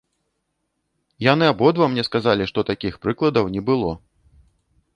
Яны абодва мне сказалі, што такіх прыкладаў не было.